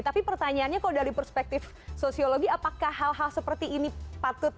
tapi pertanyaannya kalau dari perspektif sosiologi apakah hal hal seperti ini patut